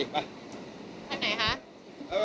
คันไหนคะ